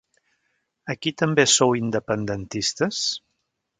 Aquí també sou independentistes?